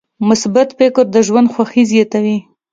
مثبت فکر د ژوند خوښي زیاتوي.